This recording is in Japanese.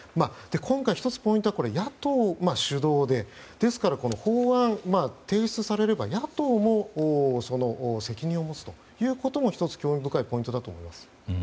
今回、１つポイントは野党主導でですからこの法案、提出されれば野党も責任を持つということも１つ興味深いポイントだと思います。